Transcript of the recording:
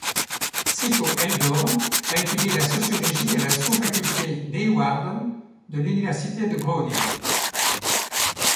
Sicko Heldoorn a étudié la sociologie à la sous-faculté Leeuwarden de l'Université de Groningue.